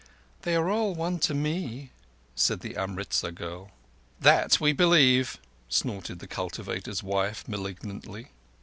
"They are all one to me," said the Amritzar girl. "That we believe," snorted the cultivator's wife malignantly.